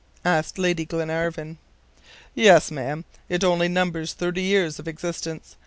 asked Lady Glenarvan. "Yes, madam, it only numbers thirty years of existence.